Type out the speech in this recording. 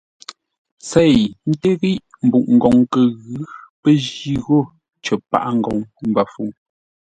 Tsei ńté ghíʼ mbuʼ-ngoŋ kə ghʉ̌ pə́ jî ghô cər paghʼə ngoŋ Mbəfuŋ.